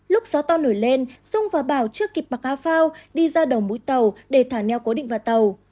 lúc gió to nổi lên dung và bảo chưa kịp mặc áo phao đi ra đầu mối tàu để thả neo cố định vào tàu